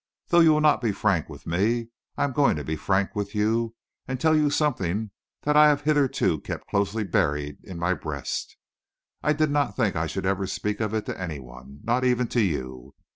Though you will not be frank with me, I am going to be frank with you and tell you something that I have hitherto kept closely buried in my breast. I did not think I should ever speak of it to any one, not even to you.